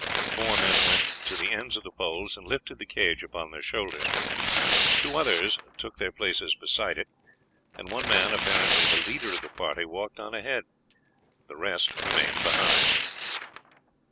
Four men went to the ends of the poles and lifted the cage upon their shoulders; two others took their places beside it, and one man, apparently the leader of the party, walked on ahead; the rest remained behind.